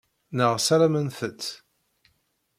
Neɣ ssarament-tt.